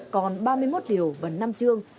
còn ba mươi một điều và năm chương